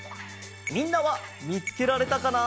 みんなはみつけられたかな？